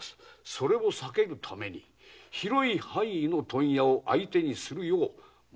それを避けるために広い範囲の問屋を相手にするよう申し渡しております。